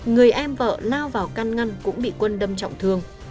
người em vợ lao vào căn ngăn cũng bị quân đâm trọng thương